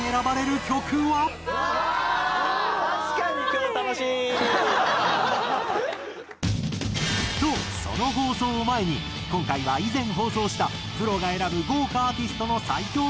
今日楽しい。とその放送を前に今回は以前放送したプロが選ぶ豪華アーティストの最強